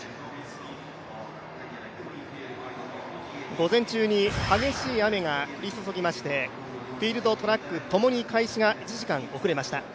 午前中に激しい雨が降り注ぎましてフィールドトラックともに開始が１時間遅れました。